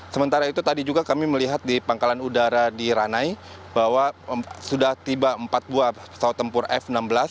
sementara itu tadi juga kami melihat di pangkalan udara di ranai bahwa sudah tiba empat buah pesawat tempur f enam belas